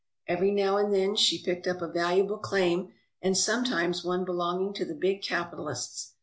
Every now and then she picked up a valuable claim, and sometimes one belonging to the big capitalists.